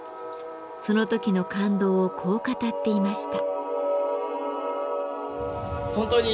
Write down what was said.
その時の感動をこう語っていました。